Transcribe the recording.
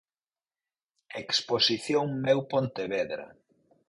Exposición Meu Pontevedra.